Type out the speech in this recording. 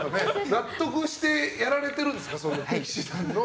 納得してやられているんですか？